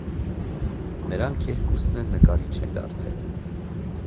Նրանք երկուսն էլ նկարիչ են դարձել։